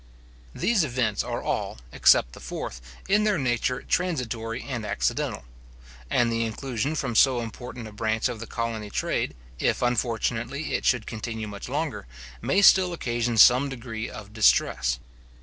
These events are all, except the fourth, in their nature transitory and accidental; and the exclusion from so important a branch of the colony trade, if unfortunately it should continue much longer, may still occasion some degree of distress.